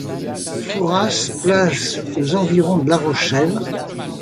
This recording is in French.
Fourras, plage aux environs de La Rochelle.